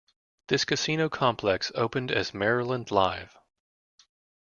This casino complex opened as Maryland Live!